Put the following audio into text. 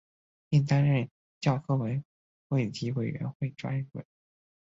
并担任教科文卫体委员会专委。